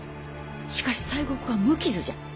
しかし西国は無傷じゃ。